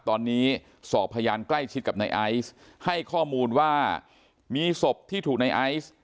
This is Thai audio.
ตอนนี้สอบพยานใกล้ชิดกับนายไอซ์ให้ข้อมูลว่ามีศพที่ถูกในไอซ์